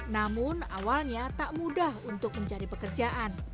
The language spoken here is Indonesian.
namun awalnya tak mudah untuk mencari pekerjaan